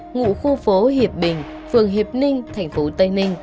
ngụ khu phố hiệp bình phường hiệp ninh thành phố tây ninh